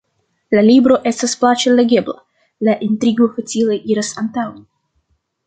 La libro estas plaĉe legebla, la intrigo facile iras antaŭen...